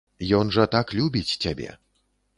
Ён жа так любіць цябе.